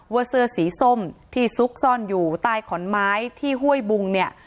เสื้อสีส้มที่ซุกซ่อนอยู่ใต้ขอนไม้ที่ห้วยบุงเนี่ย